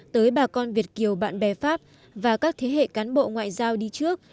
tới bà con việt kiều bạn bè pháp và các thế hệ cán bộ ngoại giao đi trước